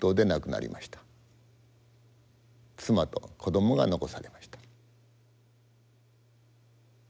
妻と子どもが残されました。